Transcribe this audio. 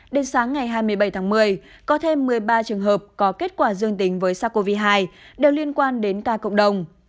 đến sáng ngày hai mươi bảy tháng một mươi có thêm một mươi ba trường hợp có kết quả dương tính với sars cov hai đều liên quan đến ca cộng đồng